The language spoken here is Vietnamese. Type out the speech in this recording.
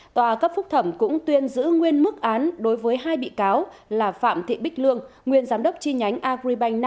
tòa cấp phúc thẩm cũng tuyên giữ nguyên mức án đối với hai bị cáo là phạm thị bích lương